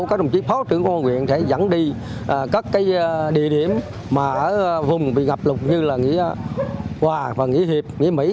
các đồng chí phó trưởng công an huyện sẽ dẫn đi các cái địa điểm mà ở vùng bị ngập lụt như là nghĩa hòa và nghĩa hiệp nghĩa mỹ